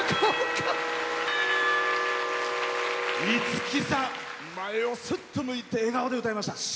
五木さん、前をすっと向いて笑顔で歌いました。